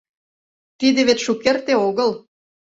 Тиде вет шукерте огыл.